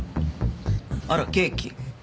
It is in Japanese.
あらケーキ。